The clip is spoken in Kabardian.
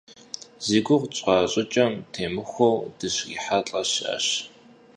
Зи гугъу тщӏа щӏыкӏэм темыхуэу дыщрихьэлӏэ щыӏэщ.